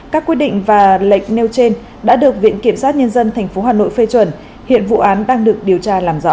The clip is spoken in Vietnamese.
các quyết định và lệnh nêu trên đã được viện kiểm sát nhân dân tp hà nội phê chuẩn hiện vụ án đang được điều tra làm rõ